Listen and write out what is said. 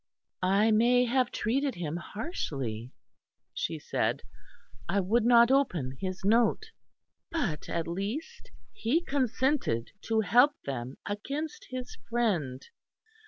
"I may have treated him hardly," she said, "I would not open his note; but at least he consented to help them against his friend."